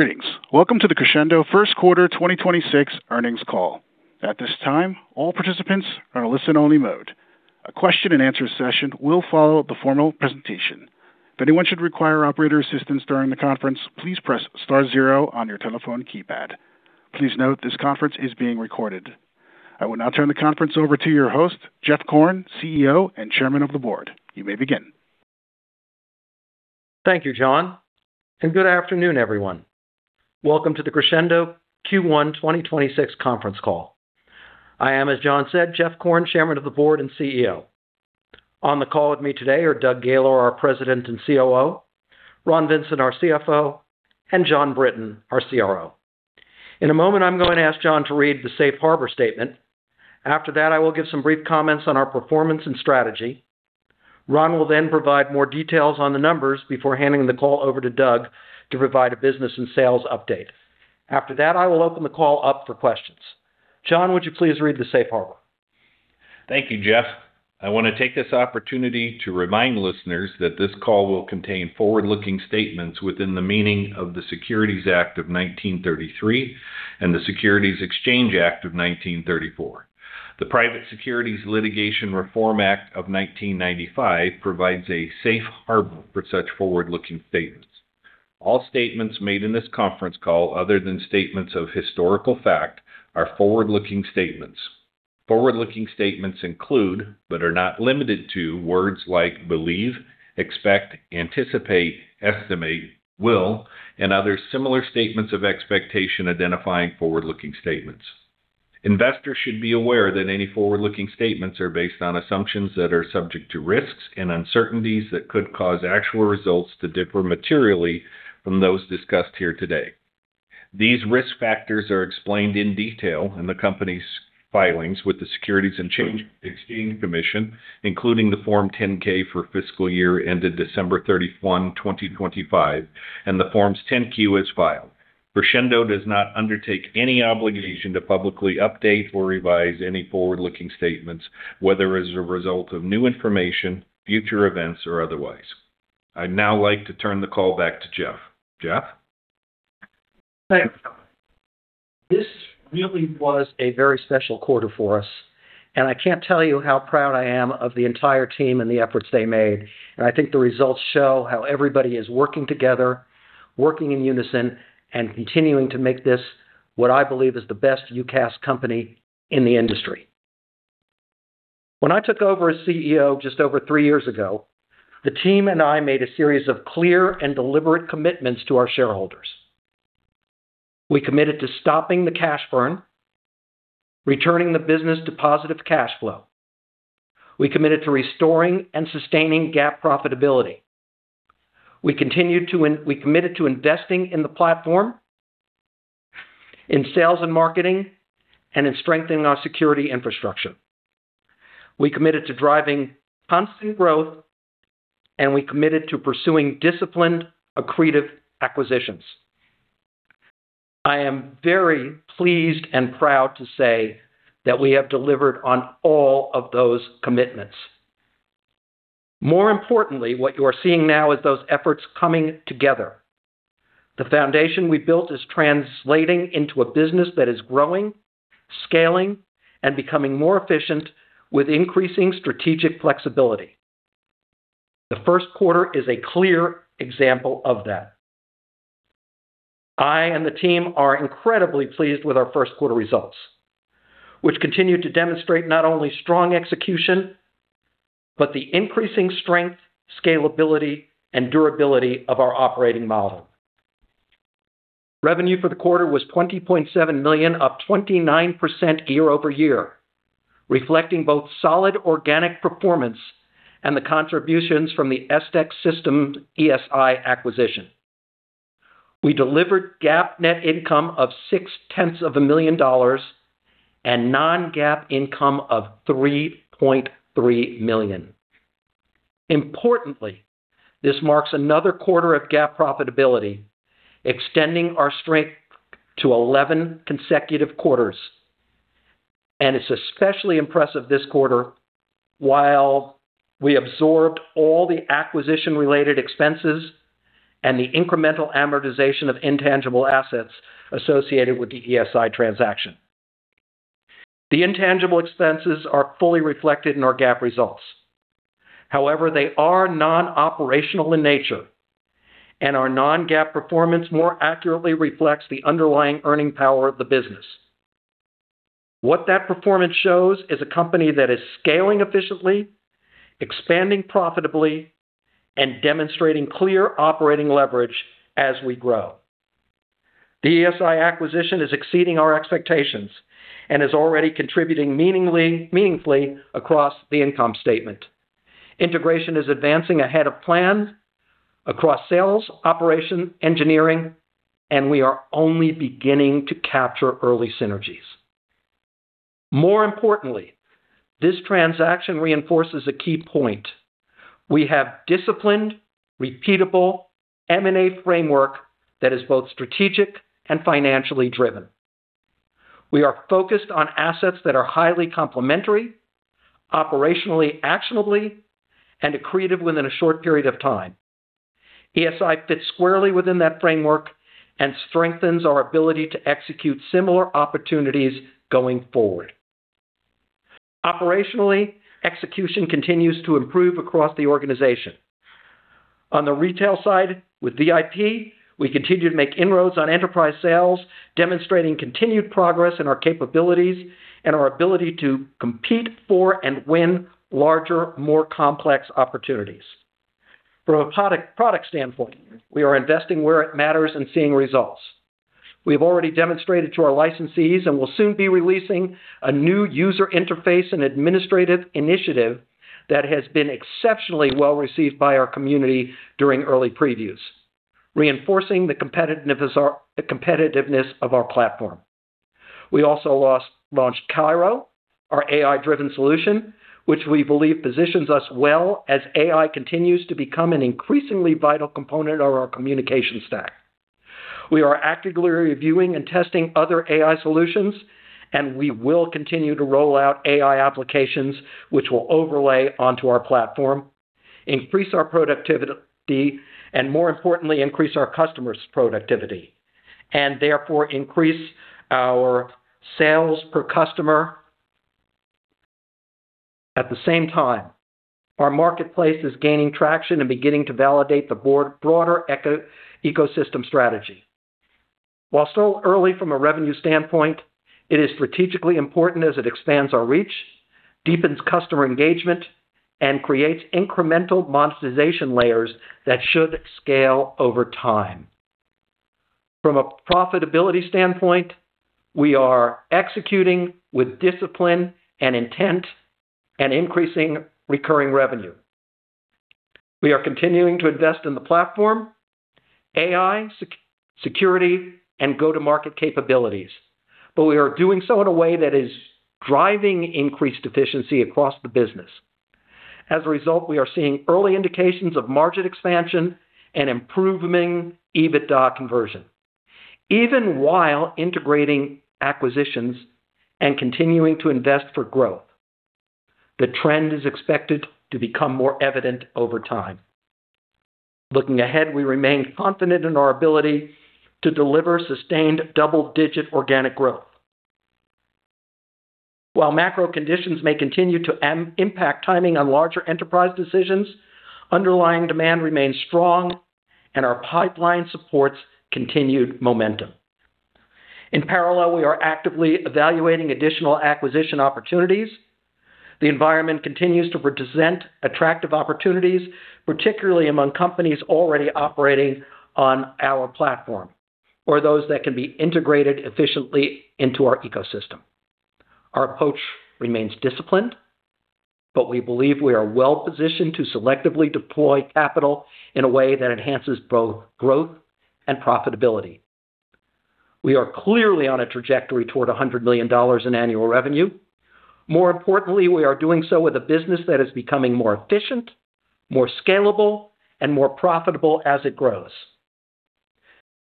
Greetings. Welcome to the Crexendo first quarter 2026 earnings call. At this time, all participants are in a listen-only mode. A question and answer session will follow the formal presentation. If anyone should require operator assistance during the conference, please press star zero on your telephone keypad. Please note this conference is being recorded. I will now turn the conference over to your host, Jeff Korn, CEO and Chairman of the Board. You may begin. Thank you, John. Good afternoon, everyone. Welcome to the Crexendo Q1 2026 conference call. I am, as John said, Jeff Korn, Chairman of the Board and CEO. On the call with me today are Doug Gaylor, our President and COO, Ron Vincent, our CFO, and Jon Brinton, our CRO. In a moment, I'm going to ask John to read the safe harbor statement. I will give some brief comments on our performance and strategy. Ron will provide more details on the numbers before handing the call over to Doug to provide a business and sales update. I will open the call up for questions. Jon, would you please read the safe harbor? Thank you, Jeff. I want to take this opportunity to remind listeners that this call will contain forward-looking statements within the meaning of the Securities Act of 1933 and the Securities Exchange Act of 1934. The Private Securities Litigation Reform Act of 1995 provides a safe harbor for such forward-looking statements. All statements made in this conference call, other than statements of historical fact, are forward-looking statements. Forward-looking statements include, but are not limited to, words like believe, expect, anticipate, estimate, will, and other similar statements of expectation identifying forward-looking statements. Investors should be aware that any forward-looking statements are based on assumptions that are subject to risks and uncertainties that could cause actual results to differ materially from those discussed here today. These risk factors are explained in detail in the company's filings with the Securities and Exchange Commission, including the Form 10-K for fiscal year ended December 31, 2025, and the Forms 10-Q as filed. Crexendo does not undertake any obligation to publicly update or revise any forward-looking statements, whether as a result of new information, future events, or otherwise. I'd now like to turn the call back to Jeff. Jeff? Thanks. This really was a very special quarter for us. I can't tell you how proud I am of the entire team and the efforts they made. I think the results show how everybody is working together, working in unison, continuing to make this what I believe is the best UCaaS company in the industry. When I took over as CEO just over three years ago, the team and I made a series of clear and deliberate commitments to our shareholders. We committed to stopping the cash burn, returning the business to positive cash flow. We committed to restoring and sustaining GAAP profitability. We committed to investing in the platform, in sales and marketing, and in strengthening our security infrastructure. We committed to driving constant growth. We committed to pursuing disciplined, accretive acquisitions. I am very pleased and proud to say that we have delivered on all of those commitments. More importantly, what you are seeing now is those efforts coming together. The foundation we built is translating into a business that is growing, scaling, and becoming more efficient with increasing strategic flexibility. The first quarter is a clear example of that. I and the team are incredibly pleased with our first quarter results, which continue to demonstrate not only strong execution, but the increasing strength, scalability, and durability of our operating model. Revenue for the quarter was $20.7 million, up 29% year-over-year, reflecting both solid organic performance and the contributions from the Estech Systems ESI acquisition. We delivered GAAP net income of $0.6 million and non-GAAP income of $3.3 million. This marks another quarter of GAAP profitability, extending our strength to 11 consecutive quarters. It's especially impressive this quarter while we absorbed all the acquisition-related expenses and the incremental amortization of intangible assets associated with the ESI transaction. The intangible expenses are fully reflected in our GAAP results. They are non-operational in nature, and our non-GAAP performance more accurately reflects the underlying earning power of the business. What that performance shows is a company that is scaling efficiently, expanding profitably, and demonstrating clear operating leverage as we grow. The ESI acquisition is exceeding our expectations and is already contributing meaningfully across the income statement. Integration is advancing ahead of plan across sales, operation, engineering, and we are only beginning to capture early synergies. This transaction reinforces a key point. We have disciplined, repeatable M&A framework that is both strategic and financially driven. We are focused on assets that are highly complementary, operationally actionable, and accretive within a short period of time. ESI fits squarely within that framework and strengthens our ability to execute similar opportunities going forward. Operationally, execution continues to improve across the organization. On the retail side, with VIP, we continue to make inroads on enterprise sales, demonstrating continued progress in our capabilities and our ability to compete for and win larger, more complex opportunities. From a product standpoint, we are investing where it matters and seeing results. We have already demonstrated to our licensees and will soon be releasing a new user interface and administrative initiative that has been exceptionally well received by our community during early previews, reinforcing the competitiveness of our platform. We also launched CAIRO, our AI-driven solution, which we believe positions us well as AI continues to become an increasingly vital component of our communication stack. We will continue to roll out AI applications which will overlay onto our platform, increase our productivity, and more importantly, increase our customers' productivity, and therefore increase our sales per customer. At the same time, our marketplace is gaining traction and beginning to validate the broader ecosystem strategy. While still early from a revenue standpoint, it is strategically important as it expands our reach, deepens customer engagement, and creates incremental monetization layers that should scale over time. From a profitability standpoint, we are executing with discipline and intent and increasing recurring revenue. We are continuing to invest in the platform, AI, security, and go-to-market capabilities, but we are doing so in a way that is driving increased efficiency across the business. As a result, we are seeing early indications of margin expansion and improving EBITDA conversion. Even while integrating acquisitions and continuing to invest for growth, the trend is expected to become more evident over time. Looking ahead, we remain confident in our ability to deliver sustained double-digit organic growth. While macro conditions may continue to impact timing on larger enterprise decisions, underlying demand remains strong, and our pipeline supports continued momentum. In parallel, we are actively evaluating additional acquisition opportunities. The environment continues to present attractive opportunities, particularly among companies already operating on our platform or those that can be integrated efficiently into our ecosystem. Our approach remains disciplined, we believe we are well positioned to selectively deploy capital in a way that enhances both growth and profitability. We are clearly on a trajectory toward $100 million in annual revenue. More importantly, we are doing so with a business that is becoming more efficient, more scalable, and more profitable as it grows.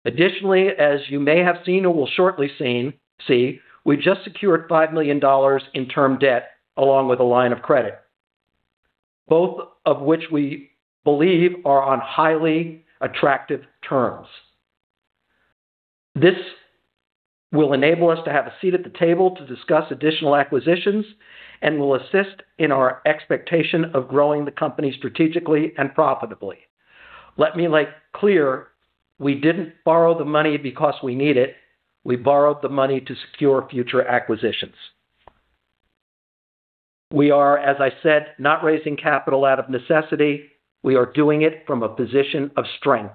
Additionally, as you may have seen or will shortly see, we just secured $5 million in term debt along with a line of credit, both of which we believe are on highly attractive terms. This will enable us to have a seat at the table to discuss additional acquisitions and will assist in our expectation of growing the company strategically and profitably. Let me make clear, we didn't borrow the money because we need it. We borrowed the money to secure future acquisitions. We are, as I said, not raising capital out of necessity. We are doing it from a position of strength.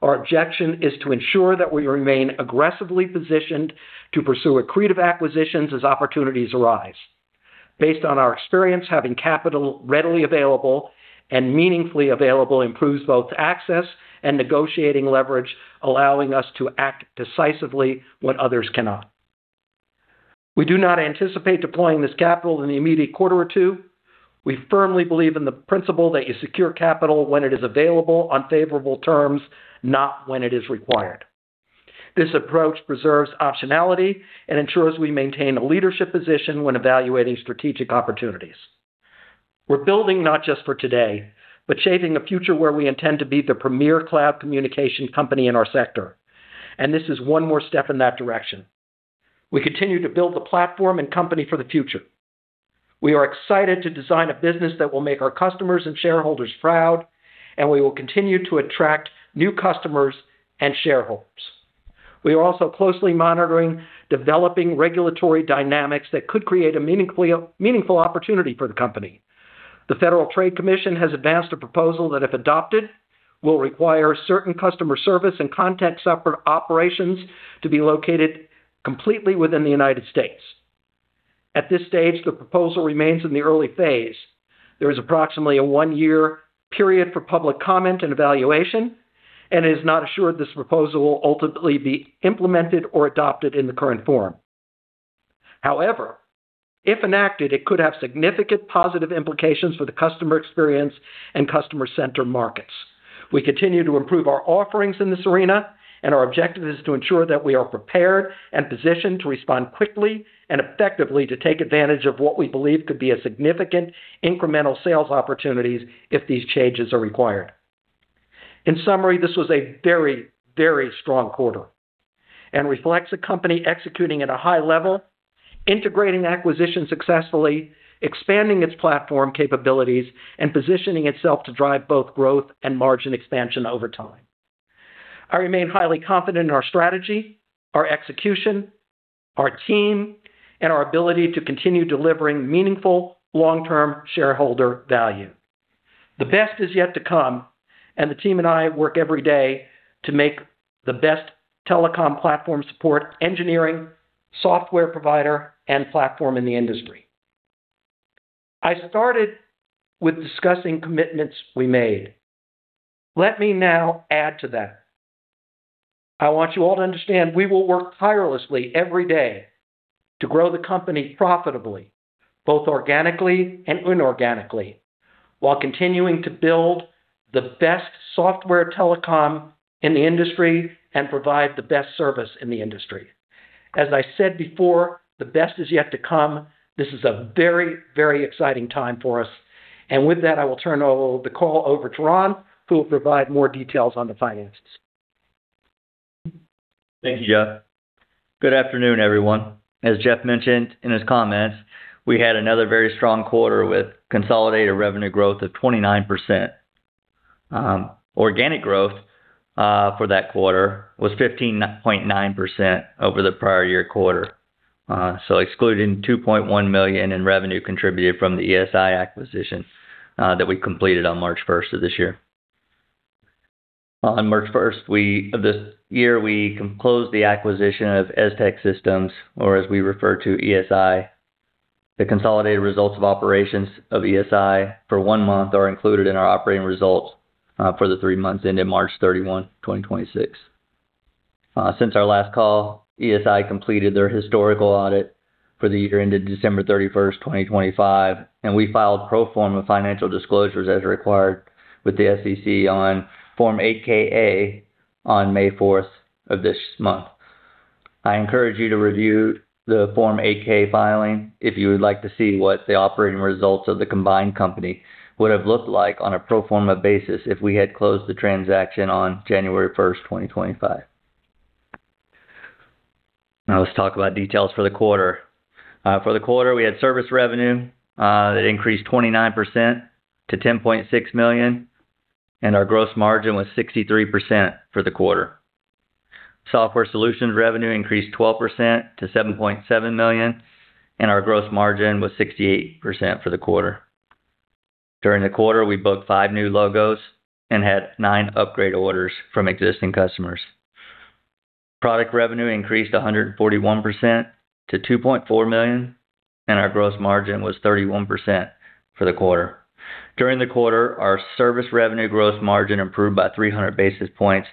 Our objective is to ensure that we remain aggressively positioned to pursue accretive acquisitions as opportunities arise. Based on our experience, having capital readily available and meaningfully available improves both access and negotiating leverage, allowing us to act decisively when others cannot. We do not anticipate deploying this capital in the immediate quarter or two. We firmly believe in the principle that you secure capital when it is available on favorable terms, not when it is required. This approach preserves optionality and ensures we maintain a leadership position when evaluating strategic opportunities. We're building not just for today, but shaping a future where we intend to be the premier cloud communication company in our sector, and this is one more step in that direction. We continue to build the platform and company for the future. We are excited to design a business that will make our customers and shareholders proud, and we will continue to attract new customers and shareholders. We are also closely monitoring developing regulatory dynamics that could create a meaningful opportunity for the company. The Federal Trade Commission has advanced a proposal that, if adopted, will require certain customer service and content support operations to be located completely within the United States. At this stage, the proposal remains in the early phase. There is approximately a one-year period for public comment and evaluation, and it is not assured this proposal will ultimately be implemented or adopted in the current form. However, if enacted, it could have significant positive implications for the customer experience and customer center markets. We continue to improve our offerings in this arena. Our objective is to ensure that we are prepared and positioned to respond quickly and effectively to take advantage of what we believe could be a significant incremental sales opportunities if these changes are required. In summary, this was a very, very strong quarter and reflects a company executing at a high level, integrating acquisitions successfully, expanding its platform capabilities, and positioning itself to drive both growth and margin expansion over time. I remain highly confident in our strategy, our execution, our team, and our ability to continue delivering meaningful long-term shareholder value. The best is yet to come. The team and I work every day to make the best telecom platform support engineering, software provider, and platform in the industry. I started with discussing commitments we made. Let me now add to that. I want you all to understand we will work tirelessly every day to grow the company profitably, both organically and inorganically, while continuing to build the best software telecom in the industry and provide the best service in the industry. As I said before, the best is yet to come. This is a very, very exciting time for us. With that, I will turn the call over to Ron, who will provide more details on the finances. Thank you, Jeff. Good afternoon, everyone. As Jeff mentioned in his comments, we had another very strong quarter with consolidated revenue growth of 29%. Organic growth for that quarter was 15.9% over the prior year quarter. Excluding $2.1 million in revenue contributed from the ESI acquisition that we completed on March 1st of this year. On March 1st of this year, we closed the acquisition of Estech Systems, or as we refer to, ESI. The consolidated results of operations of ESI for one month are included in our operating results for the three months ended March 31, 2026. Since our last call, ESI completed their historical audit for the year ended December 31st, 2025, and we filed pro forma financial disclosures as required with the SEC on Form 8-K/A on May 4th of this month. I encourage you to review the Form 8-K filing if you would like to see what the operating results of the combined company would have looked like on a pro forma basis if we had closed the transaction on January 1st, 2025. Now let's talk about details for the quarter. For the quarter, we had service revenue that increased 29% to $10.6 million, and our gross margin was 63% for the quarter. Software solutions revenue increased 12% to $7.7 million, and our gross margin was 68% for the quarter. During the quarter, we booked five new logos and had nine upgrade orders from existing customers. Product revenue increased 141% to $2.4 million, and our gross margin was 31% for the quarter. During the quarter, our service revenue gross margin improved by 300 basis points,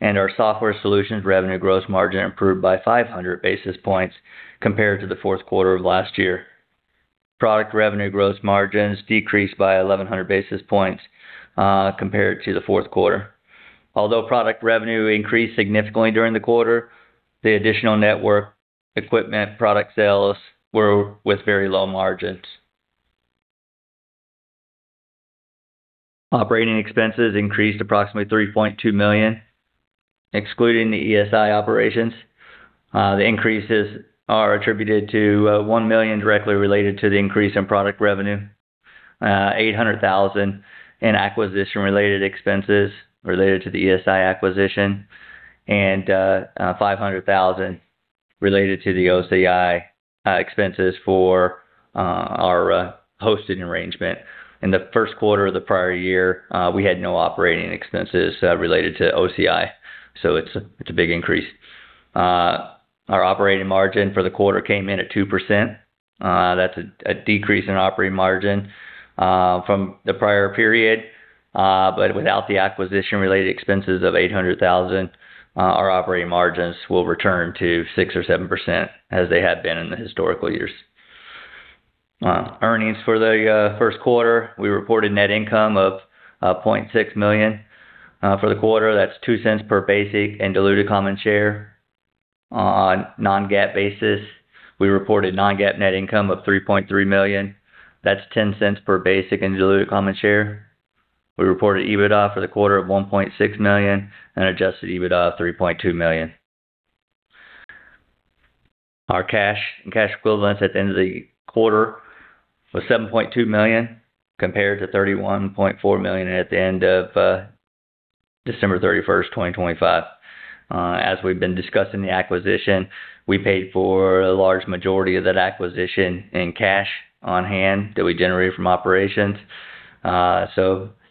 and our software solutions revenue gross margin improved by 500 basis points compared to the fourth quarter of last year. Product revenue gross margins decreased by 1,100 basis points compared to the fourth quarter. Although product revenue increased significantly during the quarter, the additional network equipment product sales were with very low margins. Operating expenses increased approximately $3.2 million, excluding the ESI operations. The increases are attributed to $1 million directly related to the increase in product revenue, $800,000 in acquisition-related expenses related to the ESI acquisition, and $500,000 related to the OCI expenses for our hosting arrangement. In the first quarter of the prior year, we had no operating expenses related to OCI, so it's a big increase. Our operating margin for the quarter came in at 2%. That's a decrease in operating margin from the prior period. Without the acquisition-related expenses of $800,000, our operating margins will return to 6% or 7% as they had been in the historical years. Earnings for the first quarter, we reported net income of $0.6 million for the quarter. That's $0.02 per basic and diluted common share. On non-GAAP basis, we reported non-GAAP net income of $3.3 million. That's $0.10 per basic and diluted common share. We reported EBITDA for the quarter of $1.6 million and adjusted EBITDA of $3.2 million. Our cash and cash equivalents at the end of the quarter was $7.2 million compared to $31.4 million at the end of December 31st, 2025. As we've been discussing the acquisition, we paid for a large majority of that acquisition in cash on hand that we generated from operations.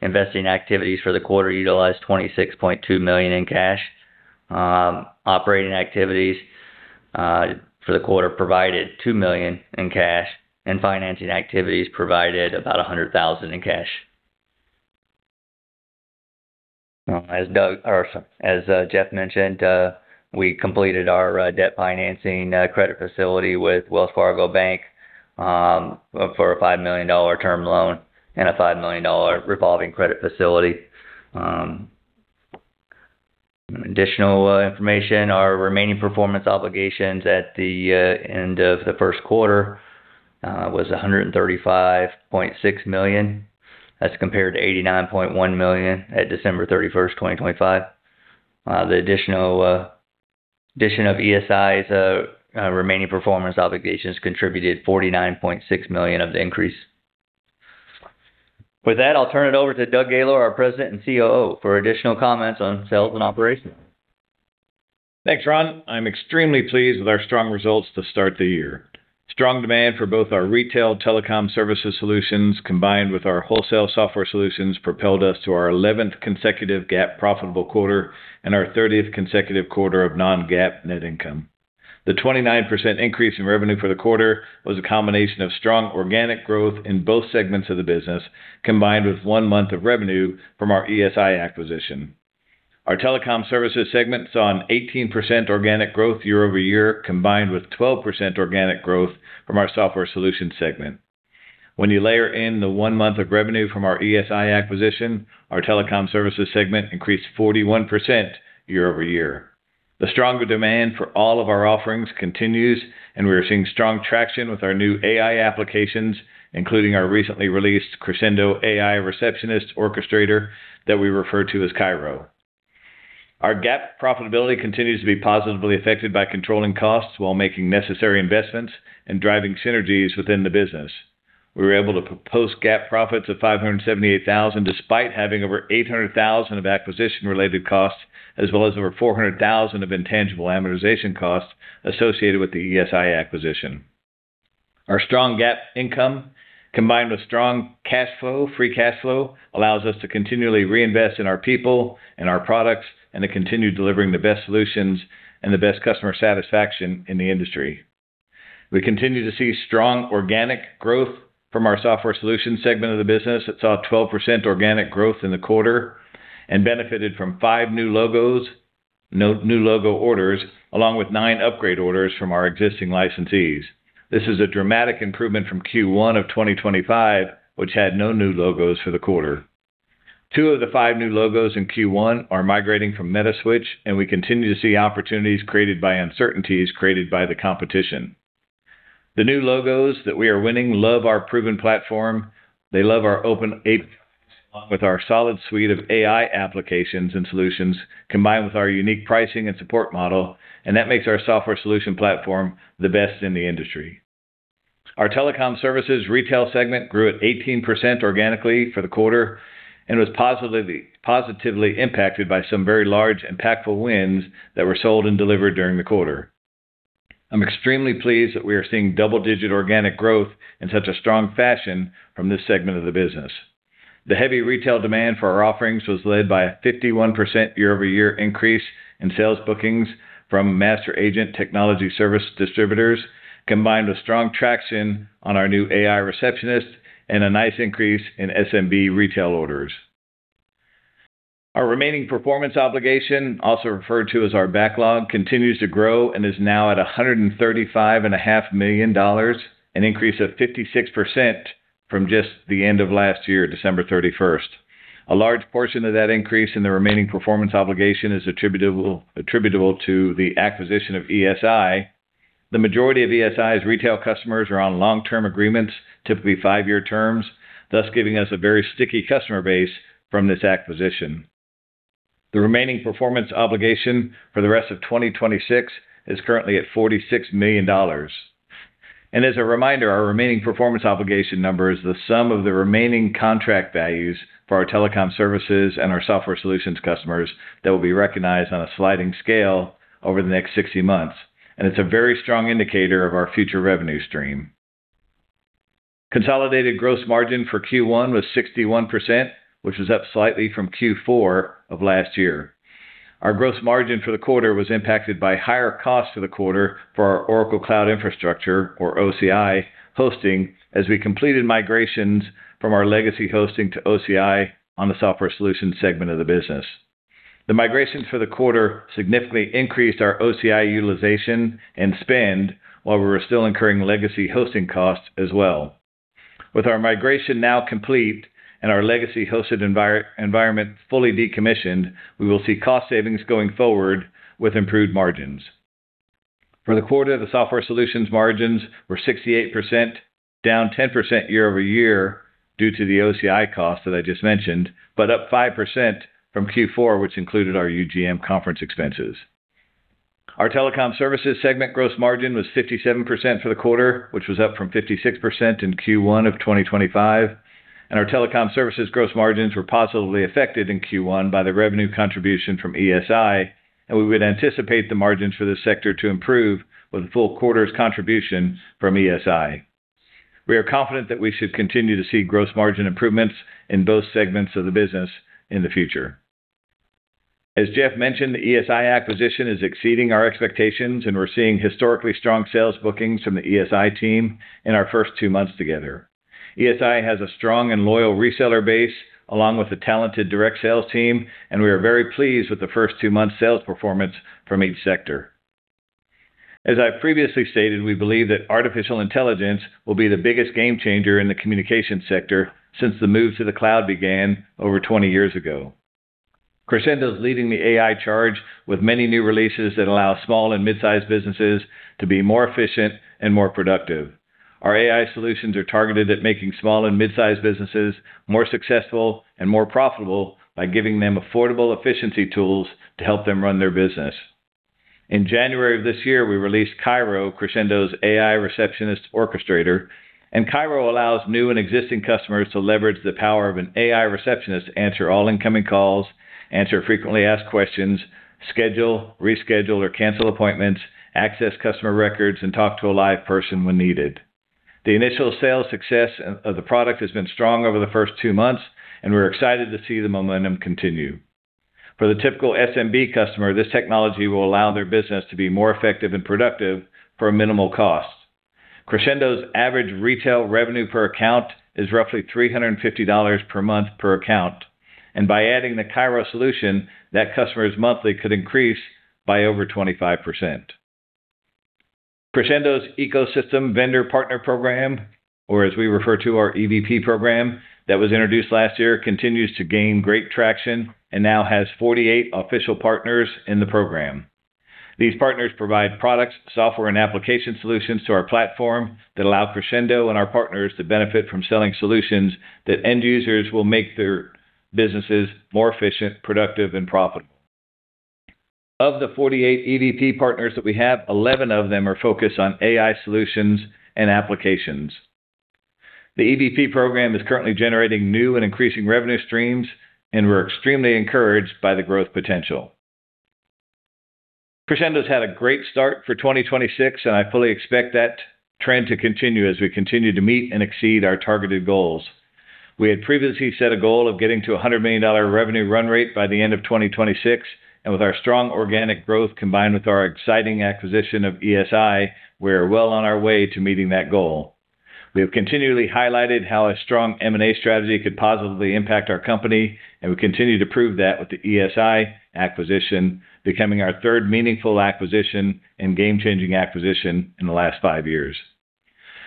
Investing activities for the quarter utilized $26.2 million in cash. Operating activities for the quarter provided $2 million in cash, and financing activities provided about $100,000 in cash. As Jeff mentioned, we completed our debt financing credit facility with Wells Fargo Bank for a $5 million term loan and a $5 million revolving credit facility. Additional information, our remaining performance obligations at the end of the first quarter was $135.6 million. That's compared to $89.1 million at December 31st, 2025. The additional addition of ESI's remaining performance obligations contributed $49.6 million of the increase. With that, I'll turn it over to Doug Gaylor, our President and COO, for additional comments on sales and operations. Thanks, Ron. I'm extremely pleased with our strong results to start the year. Strong demand for both our retail telecom services solutions combined with our wholesale software solutions propelled us to our 11th consecutive GAAP profitable quarter and our 30th consecutive quarter of non-GAAP net income. The 29% increase in revenue for the quarter was a combination of strong organic growth in both segments of the business, combined with one month of revenue from our ESI acquisition. Our telecom services segment saw an 18% organic growth year-over-year, combined with 12% organic growth from our software solutions segment. When you layer in the 1 month of revenue from our ESI acquisition, our telecom services segment increased 41% year-over-year. The stronger demand for all of our offerings continues. We are seeing strong traction with our new AI applications, including our recently released Crexendo AI Receptionist and Orchestrator that we refer to as CAIRO. Our GAAP profitability continues to be positively affected by controlling costs while making necessary investments and driving synergies within the business. We were able to post GAAP profits of $578,000 despite having over $800,000 of acquisition-related costs, as well as over $400,000 of intangible amortization costs associated with the ESI acquisition. Our strong GAAP income, combined with strong cash flow, free cash flow, allows us to continually reinvest in our people and our products and to continue delivering the best solutions and the best customer satisfaction in the industry. We continue to see strong organic growth from our software solutions segment of the business that saw 12% organic growth in the quarter and benefited from five new logos, no new logo orders, along with nine upgrade orders from our existing licensees. This is a dramatic improvement from Q1 of 2025, which had no new logos for the quarter. two of the five new logos in Q1 are migrating from Metaswitch, and we continue to see opportunities created by uncertainties created by the competition. The new logos that we are winning love our proven platform. They love our open APIs along with our solid suite of AI applications and solutions, combined with our unique pricing and support model, and that makes our software solution platform the best in the industry. Our telecom services retail segment grew at 18% organically for the quarter and was positively impacted by some very large impactful wins that were sold and delivered during the quarter. I'm extremely pleased that we are seeing double-digit organic growth in such a strong fashion from this segment of the business. The heavy retail demand for our offerings was led by a 51% year-over-year increase in sales bookings from master agent technology service distributors, combined with strong traction on our new AI Receptionist and a nice increase in SMB retail orders. Our remaining performance obligation, also referred to as our backlog, continues to grow and is now at $135.5 million, an increase of 56% from just the end of last year, December 31st. A large portion of that increase in the remaining performance obligation is attributable to the acquisition of ESI. The majority of ESI's retail customers are on long-term agreements, typically five-year terms, thus giving us a very sticky customer base from this acquisition. The remaining performance obligation for the rest of 2026 is currently at $46 million. As a reminder, our remaining performance obligation number is the sum of the remaining contract values for our telecom services and our software solutions customers that will be recognized on a sliding scale over the next 60 months. It is a very strong indicator of our future revenue stream. Consolidated gross margin for Q1 was 61%, which was up slightly from Q4 of last year. Our gross margin for the quarter was impacted by higher costs for the quarter for our Oracle Cloud Infrastructure or OCI hosting as we completed migrations from our legacy hosting to OCI on the software solutions segment of the business. The migrations for the quarter significantly increased our OCI utilization and spend while we were still incurring legacy hosting costs as well. With our migration now complete and our legacy hosted environment fully decommissioned, we will see cost savings going forward with improved margins. For the quarter, the software solutions margins were 68%, down 10% year-over-year due to the OCI cost that I just mentioned, but up 5% from Q4, which included our UGM conference expenses. Our telecom services segment gross margin was 57% for the quarter, which was up from 56% in Q1 of 2025. Our telecom services gross margins were positively affected in Q1 by the revenue contribution from ESI, and we would anticipate the margins for this sector to improve with a full quarter's contribution from ESI. We are confident that we should continue to see gross margin improvements in both segments of the business in the future. As Jeff mentioned, the ESI acquisition is exceeding our expectations, and we're seeing historically strong sales bookings from the ESI team in our first two months together. ESI has a strong and loyal reseller base, along with a talented direct sales team, and we are very pleased with the first two months sales performance from each sector. As I previously stated, we believe that artificial intelligence will be the biggest game changer in the communications sector since the move to the cloud began over 20 years ago. Crexendo's leading the AI charge with many new releases that allow small and mid-sized businesses to be more efficient and more productive. Our AI solutions are targeted at making small and mid-sized businesses more successful and more profitable by giving them affordable efficiency tools to help them run their business. In January of this year, we released CAIRO, Crexendo's AI Receptionist and Orchestrator. CAIRO allows new and existing customers to leverage the power of an AI Receptionist to answer all incoming calls, answer frequently asked questions, schedule, reschedule, or cancel appointments, access customer records, and talk to a live person when needed. The initial sales success of the product has been strong over the first two months. We're excited to see the momentum continue. For the typical SMB customer, this technology will allow their business to be more effective and productive for a minimal cost. Crexendo's average retail revenue per account is roughly $350 per month per account, and by adding the CAIRO solution, that customer's monthly could increase by over 25%. Crexendo's Ecosystem Vendor Partner Program, or as we refer to our EVP Program, that was introduced last year, continues to gain great traction and now has 48 official partners in the program. These partners provide products, software, and application solutions to our platform that allow Crexendo and our partners to benefit from selling solutions that end users will make their businesses more efficient, productive, and profitable. Of the 48 EVP partners that we have, 11 of them are focused on AI solutions and applications. The EVP Program is currently generating new and increasing revenue streams, and we're extremely encouraged by the growth potential. Crexendo's had a great start for 2026. I fully expect that trend to continue as we continue to meet and exceed our targeted goals. We had previously set a goal of getting to a $100 million revenue run rate by the end of 2026. With our strong organic growth combined with our exciting acquisition of ESI, we are well on our way to meeting that goal. We have continually highlighted how a strong M&A strategy could positively impact our company. We continue to prove that with the ESI acquisition becoming our third meaningful acquisition and game-changing acquisition in the last five years.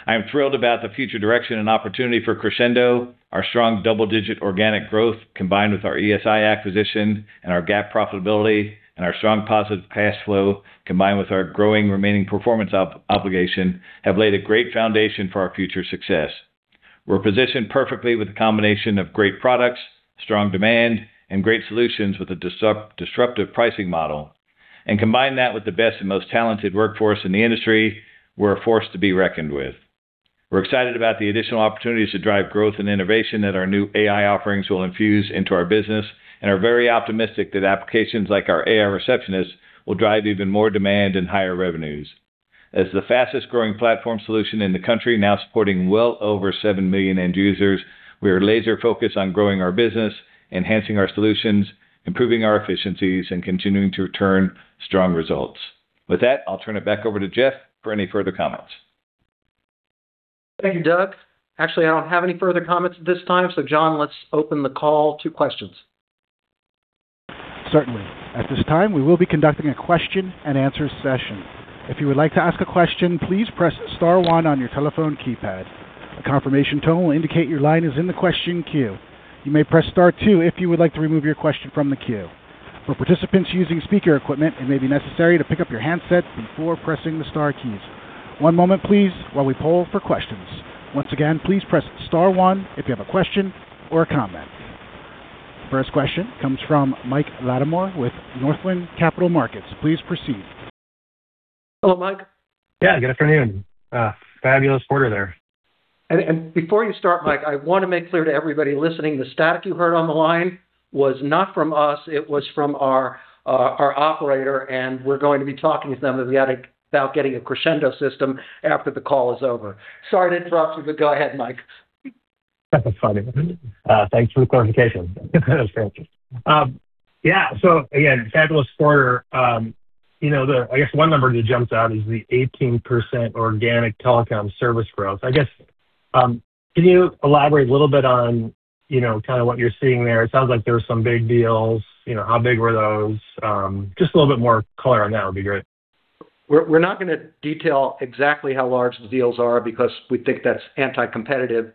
I am thrilled about the future direction and opportunity for Crexendo. Our strong double-digit organic growth, combined with our ESI acquisition and our GAAP profitability and our strong positive cash flow, combined with our growing remaining performance obligation, have laid a great foundation for our future success. We're positioned perfectly with a combination of great products, strong demand, and great solutions with a disruptive pricing model. Combine that with the best and most talented workforce in the industry, we're a force to be reckoned with. We're excited about the additional opportunities to drive growth and innovation that our new AI offerings will infuse into our business and are very optimistic that applications like our AI Receptionist will drive even more demand and higher revenues. As the fastest-growing platform solution in the country now supporting well over 7 million end users, we are laser focused on growing our business, enhancing our solutions, improving our efficiencies, and continuing to return strong results. With that, I'll turn it back over to Jeff for any further comments. Thank you, Doug. Actually, I don't have any further comments at this time. John, let's open the call to questions. Certainly. At this time, we will be conducting a question and answer session. If you would like to ask a question, please press star one on your telephone keypad. A confirmation tone will indicate your line is in the question queue. You may press star two if you would like to remove your question from the queue. For participants using speaker equipment, it may be necessary to pick up your handset before pressing the star keys. One moment please while we poll for questions. Once again, please press star one if you have a question or a comment. First question comes from Mike Latimore with Northland Capital Markets. Please proceed. Hello, Mike. Yeah, good afternoon. Fabulous quarter there. Before you start, Mike, I want to make clear to everybody listening the static you heard on the line was not from us, it was from our operator, and we're going to be talking to them about getting a Crexendo system after the call is over. Sorry to interrupt you, go ahead, Mike. That's funny. Thanks for the clarification. That was fantastic. Yeah, again, fabulous quarter. You know, the I guess one number that jumps out is the 18% organic telecom service growth. I guess, can you elaborate a little bit on, you know, kind of what you're seeing there? It sounds like there were some big deals. You know, how big were those? Just a little bit more color on that would be great. We're not gonna detail exactly how large the deals are because we think that's anti-competitive.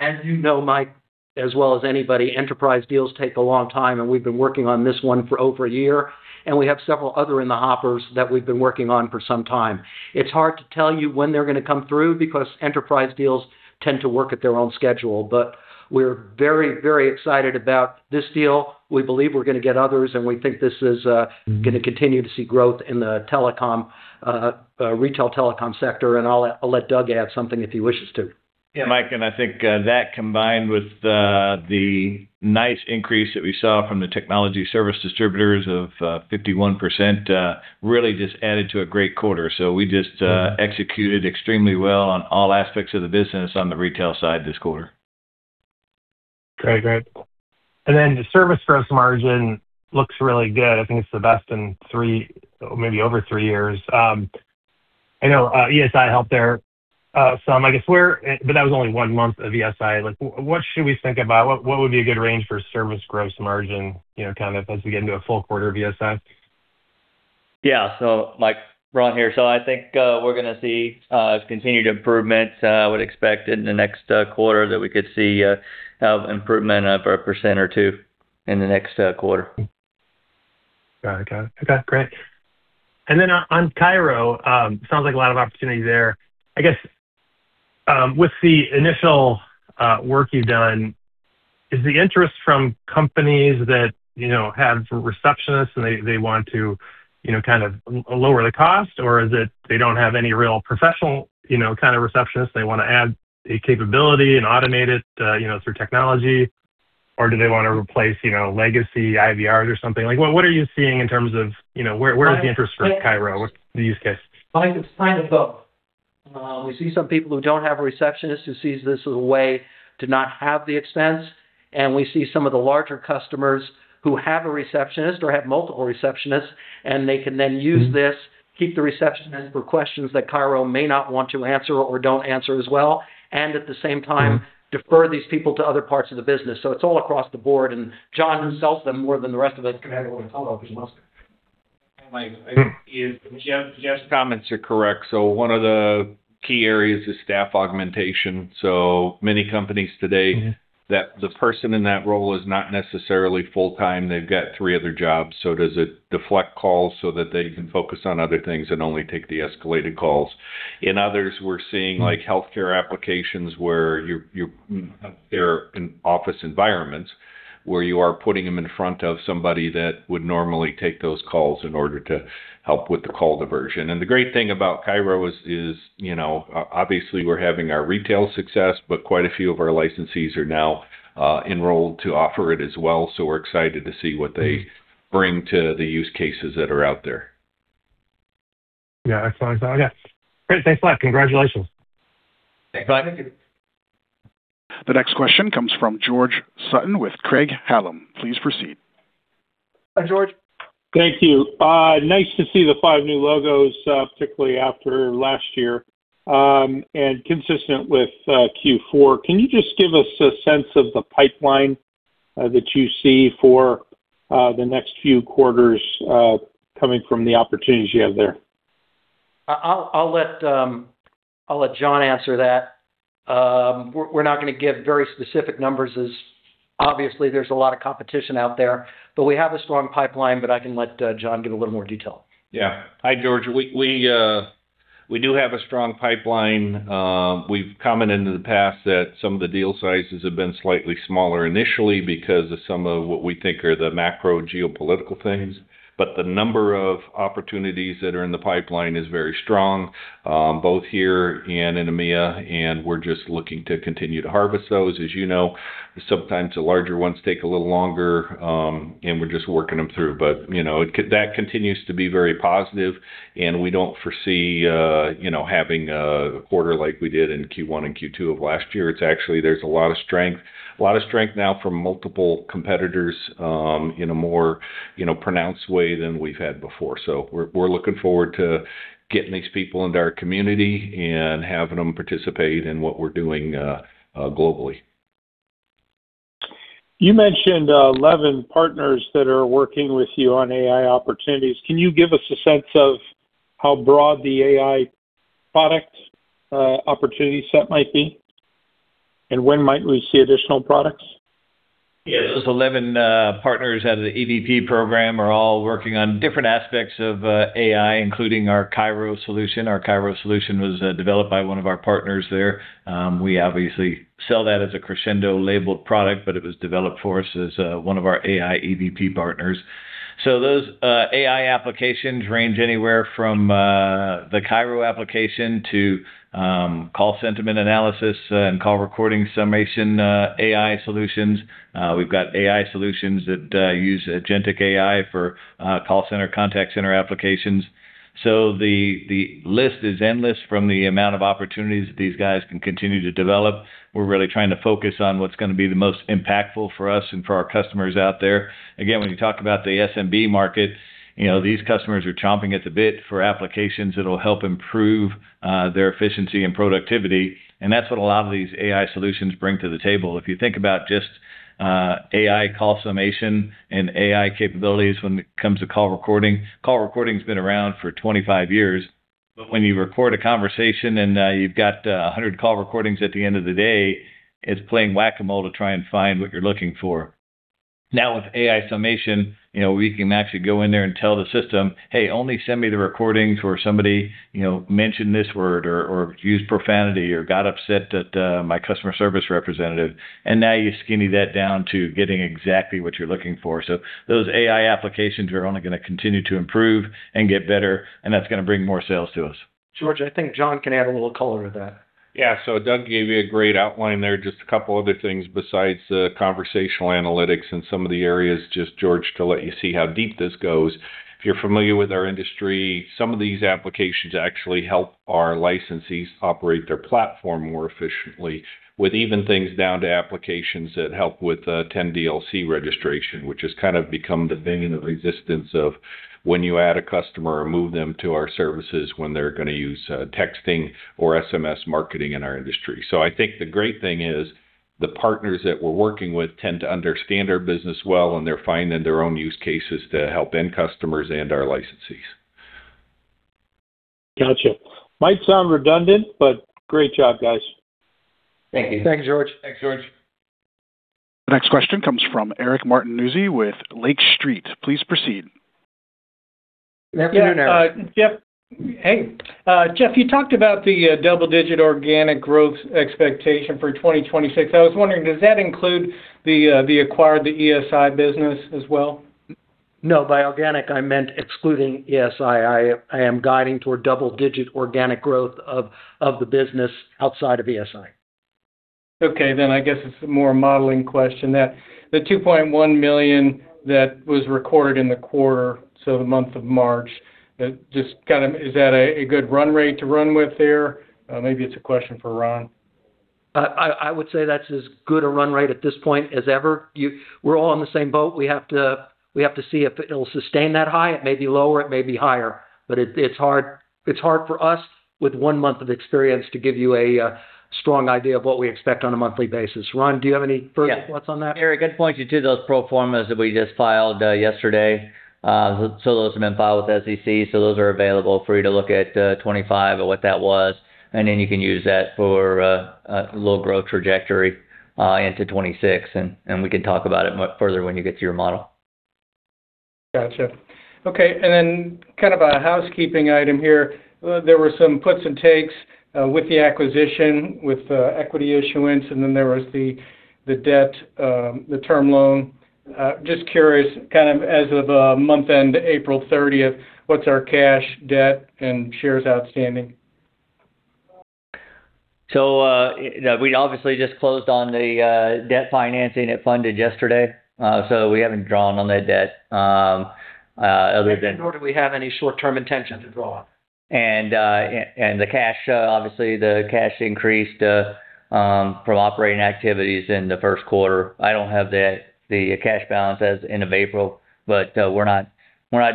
As you know, Mike, as well as anybody, enterprise deals take a long time, and we've been working on this one for over a year, and we have several other in the hoppers that we've been working on for some time. It's hard to tell you when they're gonna come through because enterprise deals tend to work at their own schedule. We're very excited about this deal. We believe we're gonna get others, and we think this is gonna continue to see growth in the telecom, retail telecom sector, and I'll let Doug add something if he wishes to. Yeah, Mike, I think that combined with the nice increase that we saw from the Technology Service Distributors of 51% really just added to a great quarter. We just executed extremely well on all aspects of the business on the retail side this quarter. Great. Great. The service gross margin looks really good. I think it's the best in three or maybe over three years. I know ESI helped there some. That was only one month of ESI. What should we think about? What would be a good range for service gross margin, you know, kind of as we get into a full quarter of ESI? Yeah. Mike, Ron here. I think, we're gonna see continued improvement. I would expect in the next quarter that we could see improvement of 1% or 2% in the next quarter. Got it. Got it. Okay, great. Then on CAIRO, sounds like a lot of opportunity there. I guess, with the initial work you've done, is the interest from companies that, you know, have receptionists and they want to, you know, kind of lower the cost? Is it they don't have any real professional, you know, kind of receptionists, they wanna add a capability and automate it, you know, through technology? Do they wanna replace, you know, legacy IVRs or something? What are you seeing in terms of, you know, where is the interest for CAIRO? What's the use case? It's kind of both. We see some people who don't have a receptionist who sees this as a way to not have the expense, and we see some of the larger customers who have a receptionist or have multiple receptionists, and they can then use this, keep the receptionist for questions that CAIRO may not want to answer or don't answer as well, and at the same time defer these people to other parts of the business. It's all across the board. Jon sells them more than the rest of us combined. Mike, Jeff's comments are correct. One of the key areas is staff augmentation. Many companies today. That the person in that role is not necessarily full-time. They've got 3 other jobs, so does it deflect calls so that they can focus on other things and only take the escalated calls. In others, we're seeing like healthcare applications where you're in office environments where you are putting them in front of somebody that would normally take those calls in order to help with the call diversion. The great thing about CAIRO is, you know, obviously we're having our retail success, but quite a few of our licensees are now enrolled to offer it as well, so we're excited to see what they bring to the use cases that are out there. Yeah, excellent. Yeah. Great. Thanks a lot. Congratulations. Thanks, Mike. Thank you. The next question comes from George Sutton with Craig-Hallum. Please proceed. George. Thank you. Nice to see the five new logos, particularly after last year, and consistent with Q4. Can you just give us a sense of the pipeline that you see for the next few quarters, coming from the opportunities you have there? I'll let Jon answer that. We're not gonna give very specific numbers as obviously there's a lot of competition out there, but we have a strong pipeline. I can let Jon give a little more detail. Yeah. Hi, George. We do have a strong pipeline. We've commented in the past that some of the deal sizes have been slightly smaller initially because of some of what we think are the macro geopolitical things. The number of opportunities that are in the pipeline is very strong, both here and in EMEA. We're just looking to continue to harvest those. As you know, sometimes the larger ones take a little longer. We're just working them through. You know, that continues to be very positive. We don't foresee, you know, having a quarter like we did in Q1 and Q2 of last year. It's actually there's a lot of strength now from multiple competitors, in a more, you know, pronounced way than we've had before. We're looking forward to getting these people into our community and having them participate in what we're doing globally. You mentioned 11 partners that are working with you on AI opportunities. Can you give us a sense of how broad the AI product opportunity set might be? When might we see additional products? Those 11 partners out of the EVP program are all working on different aspects of AI, including our CAIRO solution. Our CAIRO solution was developed by one of our partners there. We obviously sell that as a Crexendo labeled product, but it was developed for us as one of our AI EVP partners. Those AI applications range anywhere from the CAIRO application to call sentiment analysis and call recording summation AI solutions. We've got AI solutions that use agentic AI for call center, contact center applications. The list is endless from the amount of opportunities that these guys can continue to develop. We're really trying to focus on what's gonna be the most impactful for us and for our customers out there. Again, when you talk about the SMB market, you know, these customers are chomping at the bit for applications that'll help improve their efficiency and productivity, and that's what a lot of these AI solutions bring to the table. If you think about just AI call summation and AI capabilities when it comes to call recording, call recording's been around for 25 years. When you record a conversation and you've got 100 call recordings at the end of the day, it's playing Whac-A-Mole to try and find what you're looking for. With AI summation, you know, we can actually go in there and tell the system, "Hey, only send me the recordings where somebody, you know, mentioned this word or used profanity or got upset at my customer service representative." Now you skinny that down to getting exactly what you're looking for. Those AI applications are only gonna continue to improve and get better, and that's gonna bring more sales to us. George, I think Jon can add a little color to that. Yeah. Doug gave you a great outline there. Just a couple other things besides the conversational analytics in some of the areas, just George, to let you see how deep this goes. If you're familiar with our industry, some of these applications actually help our licensees operate their platform more efficiently with even things down to applications that help with 10DLC registration, which has kind of become the bane of existence of when you add a customer or move them to our services when they're gonna use texting or SMS marketing in our industry. I think the great thing is the partners that we're working with tend to understand our business well, and they're finding their own use cases to help end customers and our licensees. Gotcha. Might sound redundant, but great job, guys. Thank you. Thanks, George. Thanks, George. The next question comes from Eric Martinuzzi with Lake Street. Please proceed. Good afternoon, Eric. Yeah, Jeff. Hey. Jeff, you talked about the double-digit organic growth expectation for 2026. I was wondering, does that include the acquired, the ESI business as well? No. By organic, I meant excluding ESI. I am guiding toward double-digit organic growth of the business outside of ESI. Okay. I guess it's more a modeling question. That, the $2.1 million that was recorded in the quarter, so the month of March, is that a good run rate to run with there? Maybe it's a question for Ron. I would say that's as good a run rate at this point as ever. We're all on the same boat. We have to see if it'll sustain that high. It may be lower, it may be higher. It's hard for us with one month of experience to give you a strong idea of what we expect on a monthly basis. Ron, do you have any further thoughts on that? Eric, I'd point you to those pro formas that we just filed yesterday. Those have been filed with SEC, those are available for you to look at 2025 and what that was. You can use that for a little growth trajectory into 2026, and we can talk about it further when you get to your model. Gotcha. Okay, and then kind of a housekeeping item here. There were some puts and takes with the acquisition, with equity issuance, and then there was the debt, the term loan. Just curious, kind of as of month end, April 30th, what's our cash, debt, and shares outstanding? We obviously just closed on the debt financing. It funded yesterday. We haven't drawn on the debt. Nor do we have any short-term intention to draw on. The cash, obviously the cash increased, from operating activities in the first quarter. I don't have the cash balance as end of April, but we're not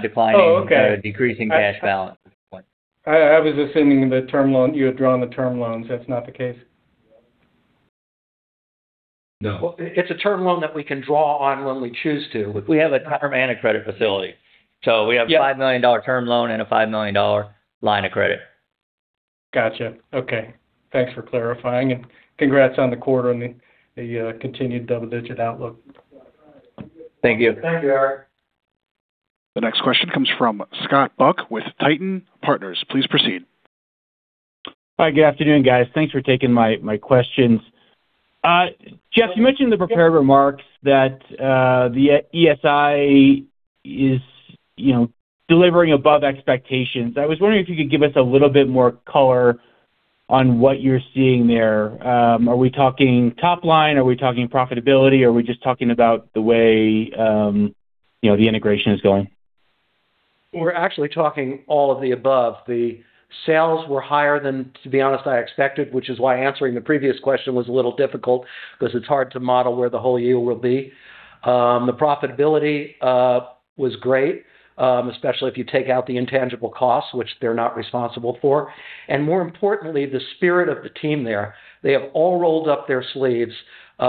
declining. Oh, okay. Decreasing cash balance at this point. I was assuming you had drawn the term loans. That's not the case? No. Well, it's a term loan that we can draw on when we choose to. We have a term and a credit facility. Yeah. We have a $5 million term loan and a $5 million line of credit. Gotcha. Okay. Thanks for clarifying, and congrats on the quarter and the continued double-digit outlook. Thank you. Thank you, Eric. The next question comes from Scott Buck with Titan Partners. Please proceed. Hi, good afternoon, guys. Thanks for taking my questions. Jeff, you mentioned the prepared remarks that the ESI is, you know, delivering above expectations. I was wondering if you could give us a little bit more color on what you're seeing there. Are we talking top line? Are we talking profitability? Are we just talking about the way, you know, the integration is going? We're actually talking all of the above. The sales were higher than, to be honest, I expected, which is why answering the previous question was a little difficult because it's hard to model where the whole yield will be. The profitability was great, especially if you take out the intangible costs, which they're not responsible for. More importantly, the spirit of the team there. They have all rolled up their sleeves. They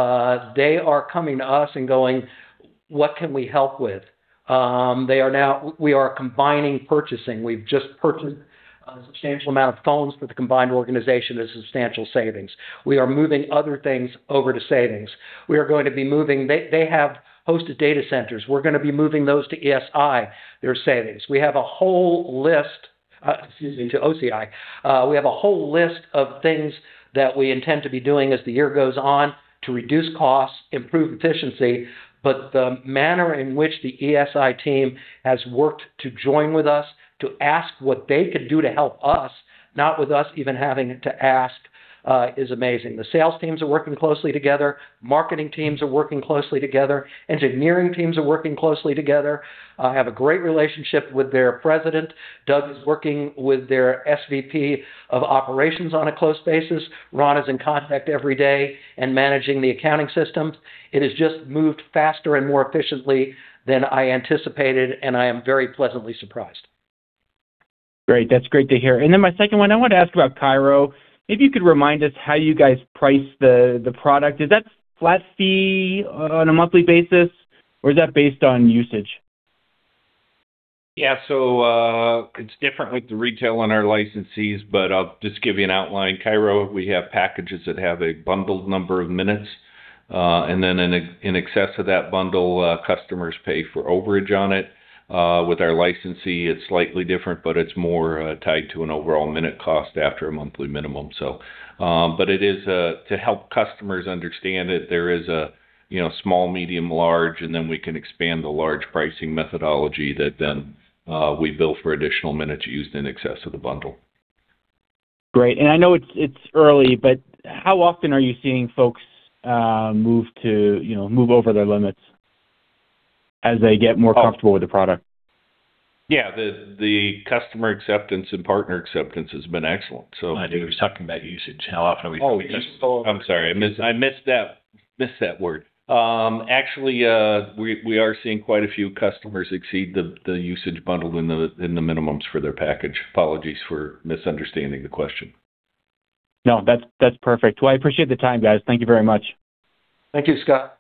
are coming to us and going, "What can we help with?" They are now we are combining purchasing. We've just purchased a substantial amount of phones for the combined organization. There's substantial savings. We are moving other things over to savings. We are going to be moving they have hosted data centers. We're gonna be moving those to ESI. They're savings. We have a whole list, excuse me, to OCI. We have a whole list of things that we intend to be doing as the year goes on to reduce costs, improve efficiency. The manner in which the ESI team has worked to join with us, to ask what they could do to help us, not with us even having to ask, is amazing. The sales teams are working closely together, marketing teams are working closely together, engineering teams are working closely together. I have a great relationship with their President. Doug is working with their SVP of operations on a close basis. Ron is in contact every day and managing the accounting systems. It has just moved faster and more efficiently than I anticipated, and I am very pleasantly surprised. Great. That's great to hear. My second one, I wanted to ask about CAIRO. If you could remind us how you guys price the product. Is that flat fee on a monthly basis, or is that based on usage? Yeah. It's different with the retail and our licensees, but I'll just give you an outline. CAIRO, we have packages that have a bundled number of minutes, and then in excess of that bundle, customers pay for overage on it. With our licensee, it's slightly different, but it's more tied to an overall minute cost after a monthly minimum. But it is, to help customers understand it, there is a, you know, small, medium, large, and then we can expand the large pricing methodology that then we bill for additional minutes used in excess of the bundle. Great. I know it's early, but how often are you seeing folks, move to, you know, move over their limits as they get more comfortable with the product? Yeah. The customer acceptance and partner acceptance has been excellent. Oh, I knew he was talking about usage. Usage. I am sorry. I missed that word. Actually, we are seeing quite a few customers exceed the usage bundled in the minimums for their package. Apologies for misunderstanding the question. No, that's perfect. Well, I appreciate the time, guys. Thank you very much. Thank you, Scott.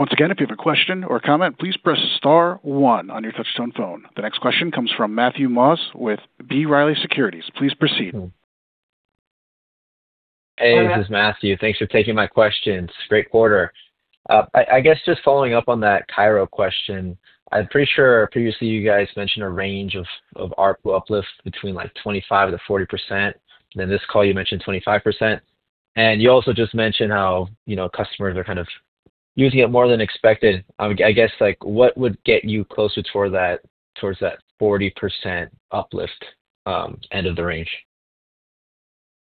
Once again, if you have a question or a comment, please press star one on your touch tone phone. The next question comes from Matthew Maus with B. Riley Securities. Please proceed. Hey, this is Matthew. Thanks for taking my questions. Great quarter. I guess just following up on that CAIRO question. I'm pretty sure previously you guys mentioned a range of ARPU uplifts between like 25%-40%. This call you mentioned 25%. You also just mentioned how, you know, customers are kind of using it more than expected. I guess, like, what would get you closer toward that, towards that 40% uplift end of the range?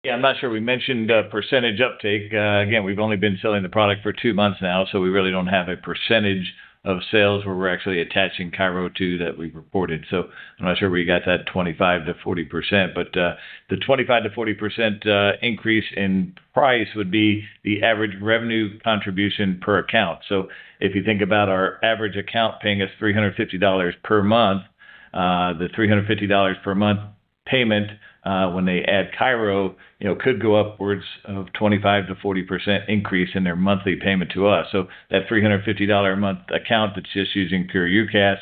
Yeah, I'm not sure we mentioned percentage uptake. Again, we've only been selling the product for two months now, so we really don't have a percentage of sales where we're actually attaching CAIRO to that we've reported. I'm not sure where you got that 25%-40%. The 25%-40% increase in price would be the average revenue contribution per account. If you think about our average account paying us $350 per month, the $350 per month payment, when they add CAIRO, you know, could go upwards of 25%-40% increase in their monthly payment to us. That $350 a month account that's just using pure UCaaS,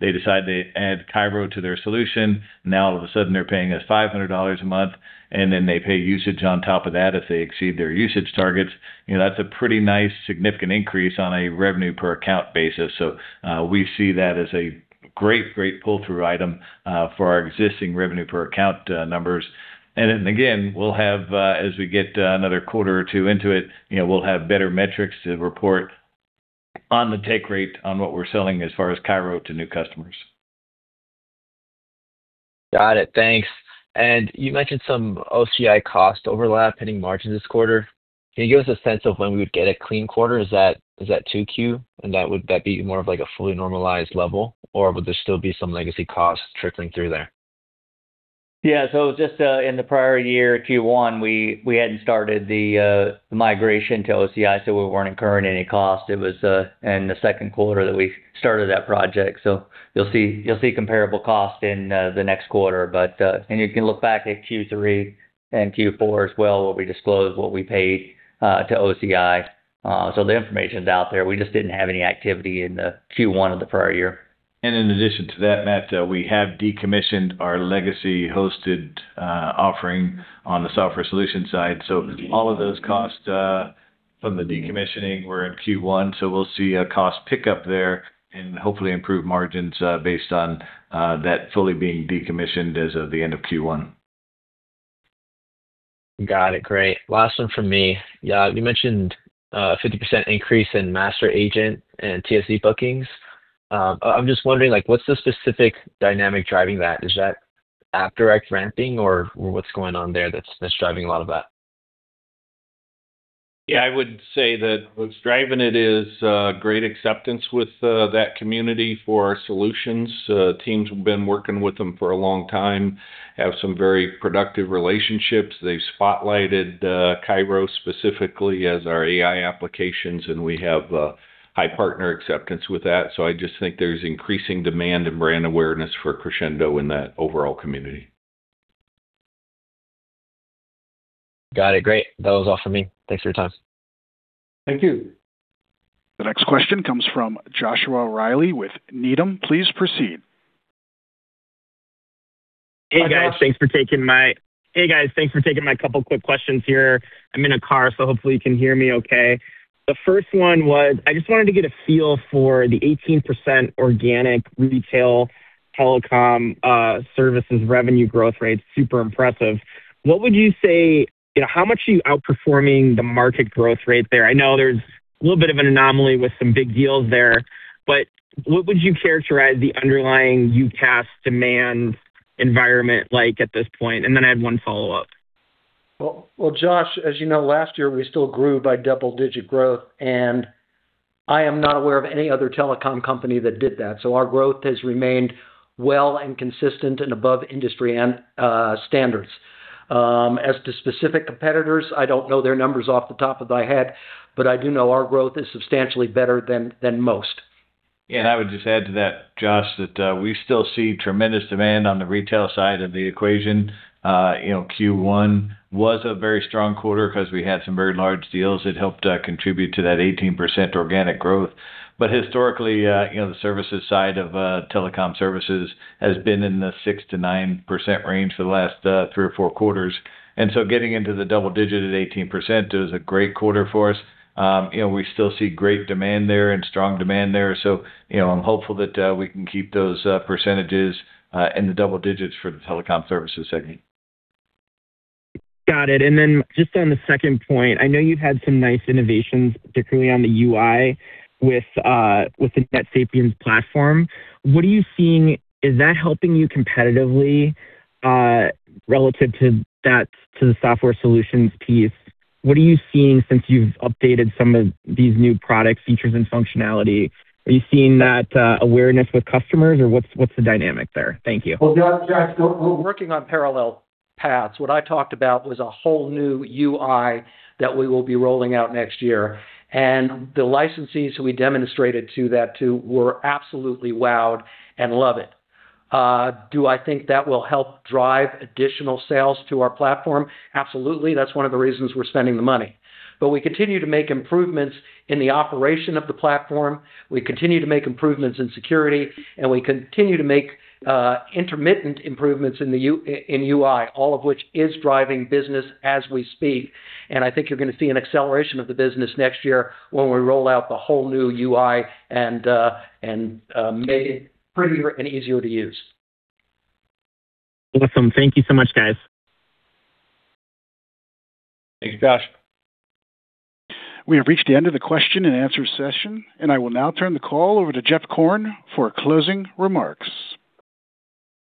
they decide they add CAIRO to their solution, now all of a sudden they're paying us $500 a month, and then they pay usage on top of that if they exceed their usage targets. You know, that's a pretty nice significant increase on a revenue per account basis. We see that as a great pull-through item for our existing revenue per account numbers. Then again, we'll have, as we get another quarter or two into it, you know, we'll have better metrics to report on the take rate on what we're selling as far as CAIRO to new customers. Got it. Thanks. You mentioned some OCI cost overlap hitting margins this quarter. Can you give us a sense of when we would get a clean quarter? Is that 2Q? Would that be more of like a fully normalized level, or would there still be some legacy costs trickling through there? Just in the prior year, Q1, we hadn't started the migration to OCI, so we weren't incurring any cost. It was in the second quarter that we started that project. You'll see comparable cost in the next quarter. And you can look back at Q3 and Q4 as well, where we disclose what we paid to OCI. The information's out there. We just didn't have any activity in Q1 of the prior year. In addition to that, Matt, we have decommissioned our legacy hosted offering on the software solution side. All of those costs from the decommissioning were in Q1, so we'll see a cost pickup there and hopefully improve margins based on that fully being decommissioned as of the end of Q1. Got it. Great. Last one from me. You mentioned a 50% increase in master agent and TSD bookings. I'm just wondering, like, what's the specific dynamic driving that? Is that AppDirect ramping or what's going on there that's driving a lot of that? I would say that what's driving it is great acceptance with that community for our solutions. Teams have been working with them for a long time, have some very productive relationships. They've spotlighted CAIRO specifically as our AI applications, and we have high partner acceptance with that. I just think there's increasing demand and brand awareness for Crexendo in that overall community. Got it. Great. That was all for me. Thanks for your time. Thank you. The next question comes from Joshua Reilly with Needham. Please proceed. Hi, Josh. Hey guys. Thanks for taking my couple quick questions here. I'm in a car. Hopefully you can hear me okay. The first one was, I just wanted to get a feel for the 18% organic retail telecom services revenue growth rate. Super impressive. What would you say, you know, how much are you outperforming the market growth rate there? I know there's a little bit of an anomaly with some big deals there. What would you characterize the underlying UCaaS demand environment like at this point? Then I have one follow-up. Well, well Josh, as you know, last year we still grew by double-digit growth. I am not aware of any other telecom company that did that. Our growth has remained well and consistent and above industry and standards. As to specific competitors, I don't know their numbers off the top of my head, but I do know our growth is substantially better than most. Yeah, I would just add to that, Josh, that we still see tremendous demand on the retail side of the equation. You know, Q1 was a very strong quarter 'cause we had some very large deals that helped contribute to that 18% organic growth. Historically, you know, the services side of telecom services has been in the 6%-9% range for the last three or four quarters. Getting into the double-digit at 18%, it was a great quarter for us. You know, we still see great demand there and strong demand there. You know, I'm hopeful that we can keep those percentages in the double-digits for the telecom services segment. Got it. Then just on the second point, I know you've had some nice innovations, particularly on the UI with the NetSapiens platform. What are you seeing? Is that helping you competitively, relative to that, to the software solutions piece? What are you seeing since you've updated some of these new products, features, and functionality? Are you seeing that awareness with customers or what's the dynamic there? Thank you. Well, Josh, we're working on parallel paths. What I talked about was a whole new UI that we will be rolling out next year. The licensees we demonstrated to that too were absolutely wowed and love it. Do I think that will help drive additional sales to our platform? Absolutely. That's one of the reasons we're spending the money. We continue to make improvements in the operation of the platform, we continue to make improvements in security, and we continue to make intermittent improvements in UI, all of which is driving business as we speak. I think you're gonna see an acceleration of the business next year when we roll out the whole new UI and make it prettier and easier to use. Awesome. Thank you so much, guys. Thank you, Josh. We have reached the end of the question and answer session. I will now turn the call over to Jeff Korn for closing remarks.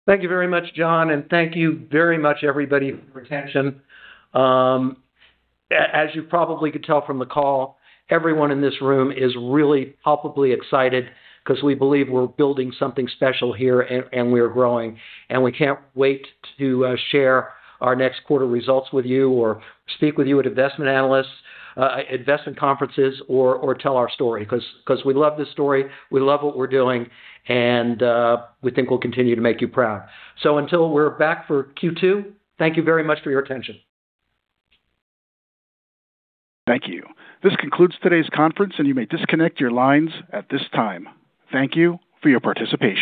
Thank you very much, John, and thank you very much everybody for your attention. As you probably could tell from the call, everyone in this room is really palpably excited 'cause we believe we're building something special here and we're growing. We can't wait to share our next quarter results with you or speak with you at investment analysts, investment conferences or tell our story 'cause we love this story. We love what we're doing, and we think we'll continue to make you proud. Until we're back for Q2, thank you very much for your attention. Thank you. This concludes today's conference, and you may disconnect your lines at this time. Thank you for your participation.